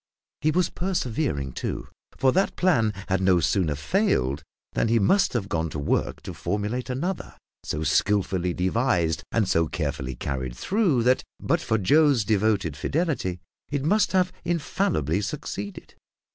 He was persevering, too; for that plan had no sooner failed than he must have gone to work to formulate another, so skilfully devised, and so carefully carried through that, but for Joe's devoted fidelity, it must have infallibly succeeded.